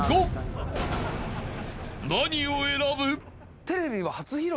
［何を選ぶ？］